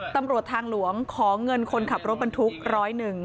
ตำรวจทางหลวงขอเงินคนขับรถบรรทุกร้อยหนึ่ง